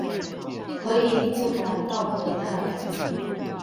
可以不談道德價值